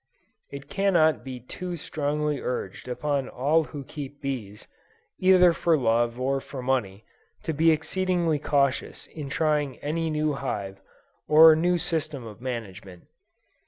It cannot be too strongly urged upon all who keep bees, either for love or for money, to be exceedingly cautious in trying any new hive, or new system of management.